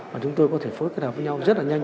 mà chúng tôi có thể phối hợp với nhau rất là nhanh